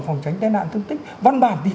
phòng tránh tai nạn thương tích văn bản thì